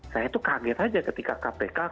saya tuh kaget aja ketika kpk